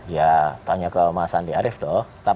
ya tanya ke mas andi arief dong